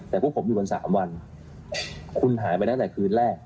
แต่เราอยู่มา๓วันคุณหายไปตั้งแต่คืนแรก